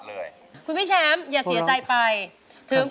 ร้องเข้าให้เร็ว